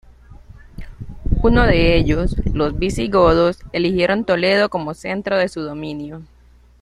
Uno de ellos, los visigodos, eligieron Toledo como centro de su dominio.